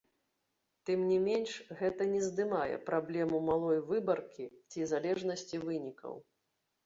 Тым не менш, гэта не здымае праблему малой выбаркі ці залежнасці вынікаў.